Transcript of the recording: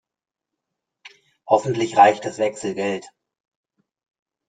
Hoffentlich reicht das Wechselgeld.